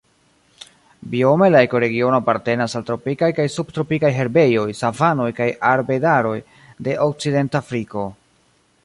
Biome la ekoregiono apartenas al tropikaj kaj subtropikaj herbejoj, savanoj kaj arbedaroj de Okcidentafriko.